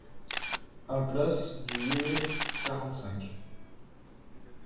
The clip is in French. un place du huit Mai quarante-cinq